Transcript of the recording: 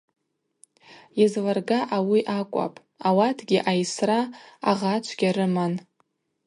Йызларга ауи акӏвапӏ: ауатгьи айсра, агъачвгьа рыман.